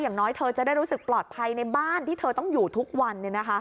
อย่างน้อยเธอจะได้รู้สึกปลอดภัยในบ้านที่เธอต้องอยู่ทุกวัน